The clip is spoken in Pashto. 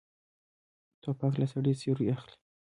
توپک له سړي سیوری اخلي.